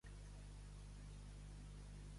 Estrènyer el cul.